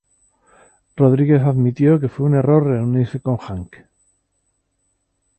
Rodríguez admitió que fue un error reunirse con Hank.